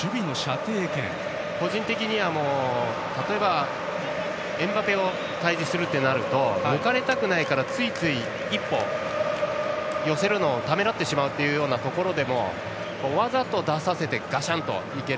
個人的には、例えばエムバペと対峙するとなると抜かれたくないからついつい１歩、寄せるのをためらってしまうというようなところでも、わざと出させてがしゃんと行ける。